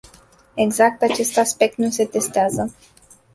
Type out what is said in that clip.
Exact acest aspect nu se testează.